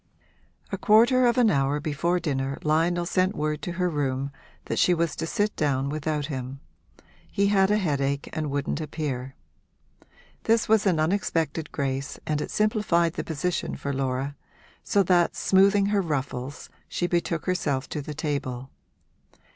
A quarter of an hour before dinner Lionel sent word to her room that she was to sit down without him he had a headache and wouldn't appear. This was an unexpected grace and it simplified the position for Laura; so that, smoothing her ruffles, she betook herself to the table.